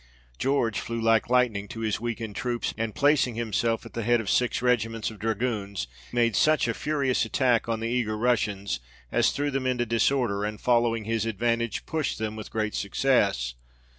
George flew like lightning to his weakened troops, and placing himself at the head of six regiments of dragoons, made such a furious attack on the eager Russians as threw them into disorder, and following his advantage, pushed them with great success.